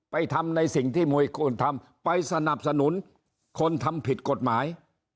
ทำในสิ่งที่มวยกูลทำไปสนับสนุนคนทำผิดกฎหมาย